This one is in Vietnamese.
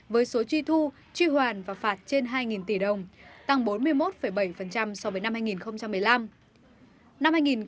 với số truy thu truy hoàn và phạt trên hai tỷ đồng tăng bốn mươi một bảy so với năm hai nghìn một mươi năm